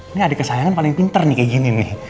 ini adik kesayangan paling pinter nih kayak gini nih